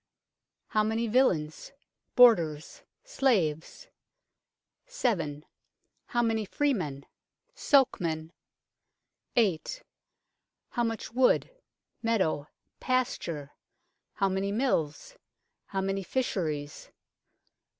How many villeins bordars slaves ? 7. How many freemen sokemen ? 8. How much wood meadow pasture ? How many mills ? How many fisheries